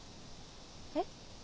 えっ？